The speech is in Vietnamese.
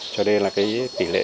cho nên là cái tỉ lệ